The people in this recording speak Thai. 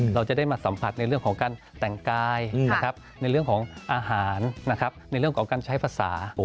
เราจะได้มาสัมผัสในเรื่องของการแต่งกายในเรื่องของอาหารในเรื่องของการใช้ภาษา